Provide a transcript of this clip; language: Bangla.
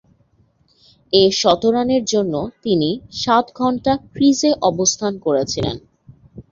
এ শতরানের জন্যে তিনি সাত ঘণ্টা ক্রিজে অবস্থান করেছিলেন।